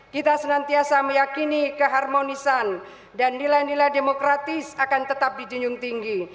kita senantiasa meyakini keharmonisan dan nilai nilai demokratis akan tetap dijunjung tinggi